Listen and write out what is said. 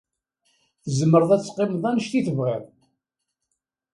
Tzemreḍ ad teqqimeḍ anect i tebɣiḍ.